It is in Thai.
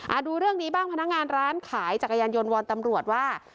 ดูเรื่องนี้บ้างพนักงานร้านขายจักรยานยนต์วอนตำรวจว่า